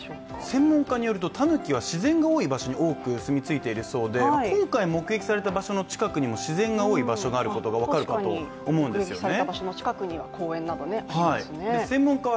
専門家によると、たぬきは自然が多いところに多く住みついているということで今回目撃された場所の近くにも自然が多いことが分かると思うんですね。